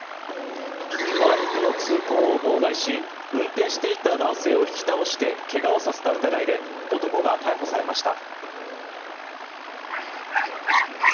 バイクの通行を妨害し運転していた男性を引き倒して怪我をさせた疑いで男が逮捕されました。